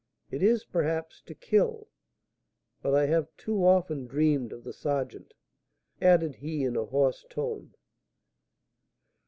It is, perhaps, to kill; but I have too often dreamed of the sergeant," added he, in a hoarse tone.